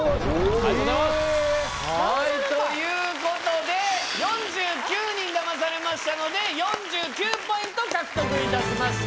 はいということで４９人騙されましたので４９ポイント獲得いたしました。